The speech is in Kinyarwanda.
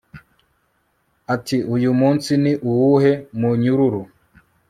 Ati Uyu munsi ni uwuhe munyururu